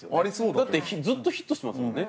だってずっとヒットしてますもんね